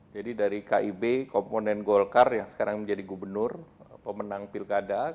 jadi dari kib komponen golkar yang sekarang menjadi gubernur pemenang pilkada